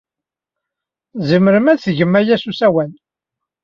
Tzemrem ad tgem aya s usawal.